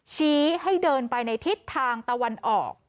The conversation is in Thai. ชี้ให้เดินไปในทิศทางตะวันออก